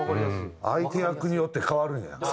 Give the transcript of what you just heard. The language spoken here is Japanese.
相手役によって変わるんや。